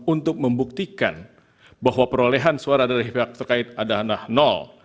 untuk membuktikan bahwa perolehan suara dari pihak terkait adalah nol